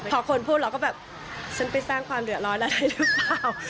พอคนพูดเราก็แบบฉันไปสร้างความเดือดร้อนอะไรหรือเปล่า